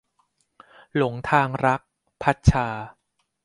หลงทางรัก - พัดชา